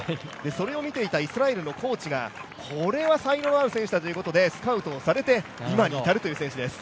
それを見ていたイスラエルのコーチがこれは才能ある選手だということでスカウトされて、今に至る選手です